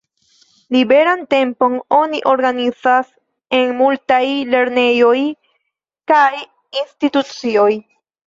Liberan tempon oni organizas en multaj lernejoj kaj institucioj.